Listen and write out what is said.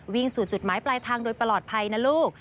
สู่จุดหมายปลายทางโดยปลอดภัยนะลูก